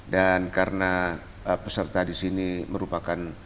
dan karena peserta disini merupakan